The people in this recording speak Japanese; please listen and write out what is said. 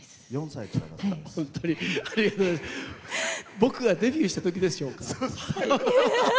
僕がデビューしたときですよ。